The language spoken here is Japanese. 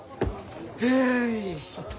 よいしょっと。